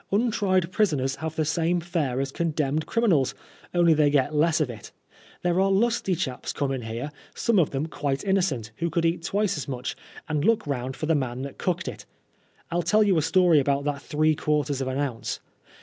Untried prisoners have the same fare as condemned criminals, only they get less of it. There are lusty chaps come in here, some of them quite innocent, who could eat twice as much, and look round for the man that cooked it. lUl tell you a story about that three quarters of an ounce.